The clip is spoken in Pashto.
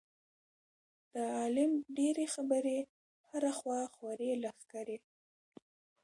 د عالم ډېرې خبرې هره خوا خورې لښکرې.